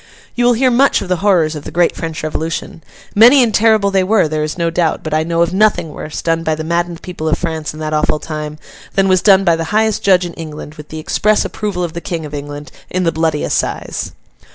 You will hear much of the horrors of the great French Revolution. Many and terrible they were, there is no doubt; but I know of nothing worse, done by the maddened people of France in that awful time, than was done by the highest judge in England, with the express approval of the King of England, in The Bloody Assize.